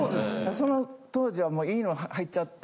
その当時はもういいの入っちゃって。